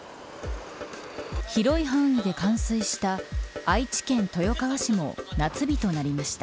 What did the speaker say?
広い範囲で冠水した愛知県豊川市も夏日となりました。